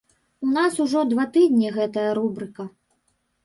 У нас ужо два тыдні гэтая рубрыка.